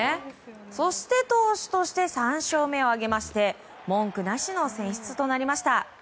そして、投手として３勝目を挙げまして文句なしの選出となりました。